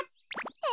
え？